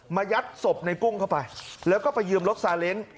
ยัดศพในกุ้งเข้าไปแล้วก็ไปยืมรถซาเล้ง